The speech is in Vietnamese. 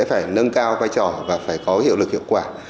phải nâng cao vai trò và phải có hiệu lực hiệu quả